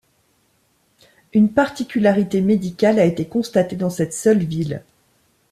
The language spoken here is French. Une particularité médicale a été constatée dans cette seule ville.